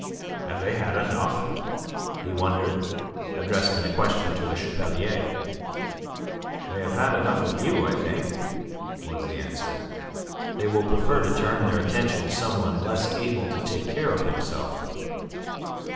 "Have they had enough?" he wondered, addressing the question to Le Chapelier. "They have had enough of you, I should think," was the answer. "They will prefer to turn their attention to some one less able to take care of himself."